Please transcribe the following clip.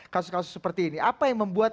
kasus kasus seperti ini apa yang membuat